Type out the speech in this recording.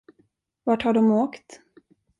Vart har de åkt?